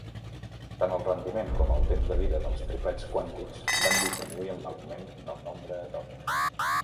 Tant el rendiment com el temps de vida dels triplets quàntics van disminuir amb l'augment del nombre atòmic.